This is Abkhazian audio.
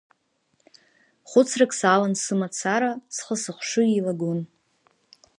Хәыцрак салан сымацара, схы-сыхшыҩ еилагон.